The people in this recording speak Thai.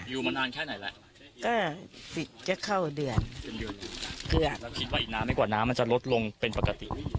อยู่มานานแค่ไหนแหละก็ปิดจะเข้าเดือนคืออาจจะคิดว่าอีกนานไม่กว่าน้ำมันจะลดลงเป็นปกติ